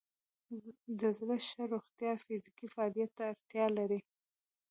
د زړه ښه روغتیا فزیکي فعالیت ته اړتیا لري.